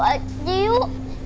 untuk findennya ada